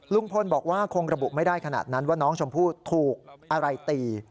ลุงพลบอกว่าคงระบุไม่ได้ขนาดนั้นว่าน้องชมพู่ถูกอะไรตี